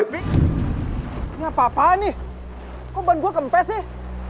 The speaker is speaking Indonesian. bikin apa apaan nih kok ban gue kempes sih